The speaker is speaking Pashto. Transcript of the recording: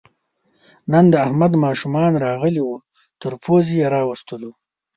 نن د احمد ماشومان راغلي وو، تر پوزې یې راوستلو.